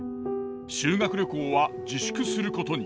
修学旅行は自粛することに。